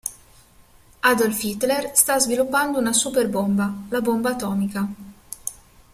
Adolf Hitler sta sviluppando una super bomba, la bomba atomica.